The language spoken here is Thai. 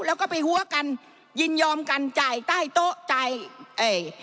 แล้วก็ไปหัวกันยินยอมกันจ่ายใต้โต๊ะจ่ายเอ่ย